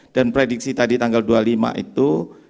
dan prediksi tadi tanggal dua puluh lima itu